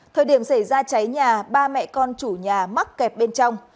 thời điểm xảy ra cháy nhà ba mẹ con chủ nhà mắc kẹt bên trong